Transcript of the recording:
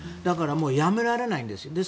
だから、やめられないんです。